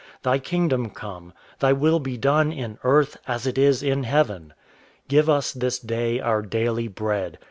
_ Thy kingdom come. Thy will be done in earth, as it is in heaven. _Give us this day our daily bread.